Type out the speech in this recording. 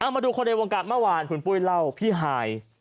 มาดูคนในวงการเมื่อวานคุณปุ้ยเล่าพี่ฮาย